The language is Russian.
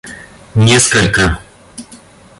несколько